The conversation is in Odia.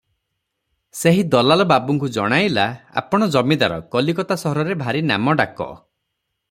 ସେହି ଦଲାଲ ବାବୁଙ୍କୁ ଜଣାଇଲା, "ଆପଣ ଜମିଦାର, କଲିକତା ସହରରେ ଭାରି ନାମ ଡାକ ।